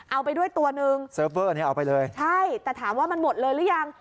เอาไปด้วยตัวนึงเอาไปเลยใช่แต่ถามว่ามันหมดเลยหรือยัง